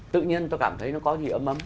tự nhiên tôi cảm thấy nó có gì ấm